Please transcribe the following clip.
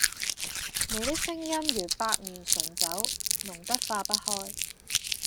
你的聲音如百年純酒，濃得化不開。